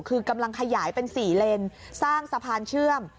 คือกำลังขยายเป็น๔เลนสร้างสะพานเชื่อม